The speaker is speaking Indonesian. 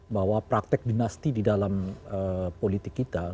bahwa praktek dinasti di dalam politik kita